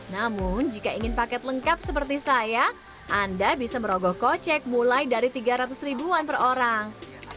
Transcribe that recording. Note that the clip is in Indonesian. namun jika ingin paket lengkap seperti saya anda bisa merogoh kocek mulai dari tiga ratus ribuan per orang